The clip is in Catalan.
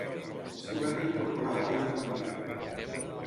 S’hi va reincorporar a la vida familiar.